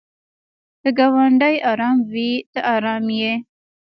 که ګاونډی ارام وي ته ارام یې.